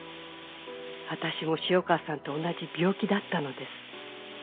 「私も潮川さんと同じ病気だったのです」